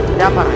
tidak apa ray